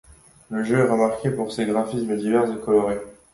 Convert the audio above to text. Le jeu est remarqué pour ses graphismes divers et colorés.